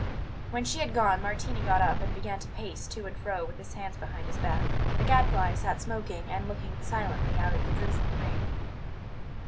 When she had gone Martini got up and began to pace to and fro with his hands behind his back. The Gadfly sat smoking and looking silently out at the drizzling rain.